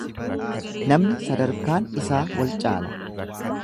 Namni sadarkaan isaa wal caala.